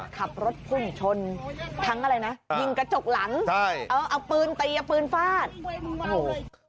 ขับรถพุ่งชนทั้งอะไรนะยิงกระจกหลังเอาปืนตีเอาปืนฟาด